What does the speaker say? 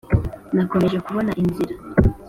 nakomeje kubona inzira,